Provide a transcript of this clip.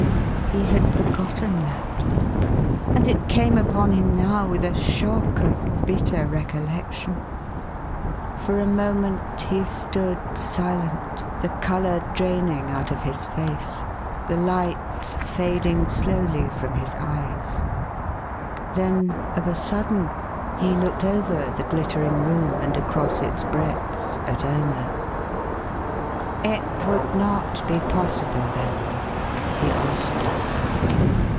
He had forgotten that; and it came upon him now with a shock of bitter recollection. For a moment he stood silent, the colour draining out of his face, the light fading slowly from his eyes; then, of a sudden, he looked over the glittering room and across its breadth at Irma. "It would not be possible then?" he asked.